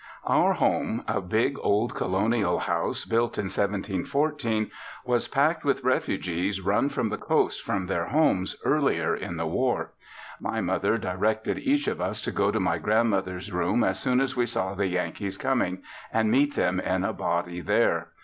Our home, a big old colonial house built in 1714, was packed with refugees run from the coast from their homes earlier in the war. My mother directed each of us to go to my grandmother's room as soon as we saw the Yankees coming, and meet them in a body there.